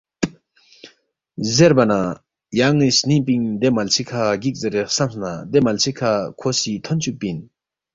زیربا نہ یان٘ی سنِنگ پِنگ دے ملسی کھہ گِک زیرے خسمس نہ دے ملسی کھہ کھو سی تھون چُوکپی اِن